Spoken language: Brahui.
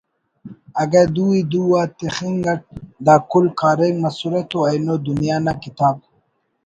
اگہ دو ءِ دوآ تخنگ اٹ دا کل کاریمک مسرہ تو اینو دنیا نا کتاب